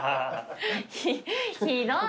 ひひどい！